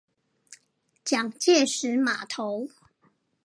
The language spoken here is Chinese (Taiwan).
蔣介石碼頭